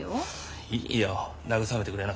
いいよ慰めてくれなくて。